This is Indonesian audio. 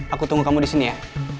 aku tunggu kamu disini ya